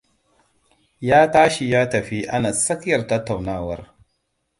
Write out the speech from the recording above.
Ya tashi ya tafi ana tsakiyar tattaunawar.